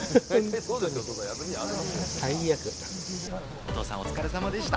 お父さんお疲れ様でした。